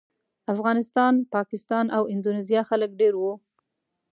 افغانستان، پاکستان او اندونیزیا خلک ډېر وو.